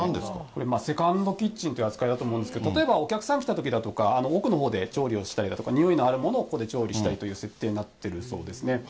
これ、セカンドキッチンという扱いだと思うんですけど、例えばお客さん来たときだとか、奥のほうで調理をしたりとか、のあるものをする設定になってるそうですね。